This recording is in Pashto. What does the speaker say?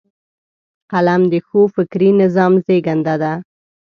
قلم د ښو فکري نظام زیږنده ده